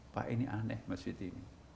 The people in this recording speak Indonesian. pak ini aneh masjid ini